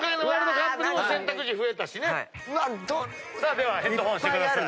ではヘッドホンしてください。